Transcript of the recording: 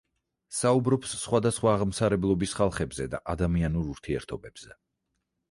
საუბრობს სხვადასხვა აღმსარებლობის ხალხებზე და ადამიანურ ურთიერთობებზე.